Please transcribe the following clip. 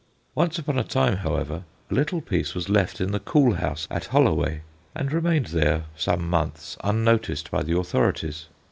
Once upon a time, however, a little piece was left in the cool house at Holloway, and remained there some months unnoticed by the authorities.